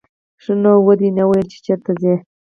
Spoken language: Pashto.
ښه نو ودې نه ویل چې چېرته ځې.